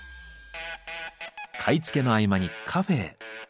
買い付けの合間にカフェへ。